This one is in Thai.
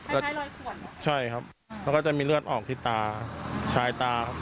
คล้ายคล้ายรอยขวนใช่ครับแล้วก็จะมีเลือดออกที่ตาชายตา